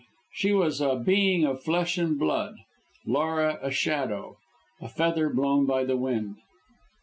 She was a being of flesh and blood, Laura a shadow, a feather blown by the wind.